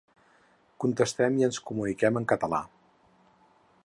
Contestem i ens comuniquem en català.